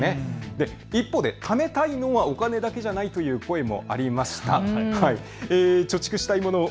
一方で、ためたいのはお金だけじゃないという声もありました。